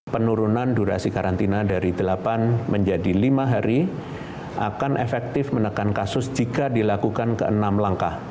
penurunan durasi karantina dari delapan menjadi lima hari akan efektif menekan kasus jika dilakukan ke enam langkah